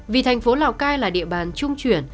vì thành phố lào cai là địa bàn trung chuyển